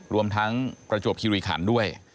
รวมทั้งประจวบคิริขันด้วย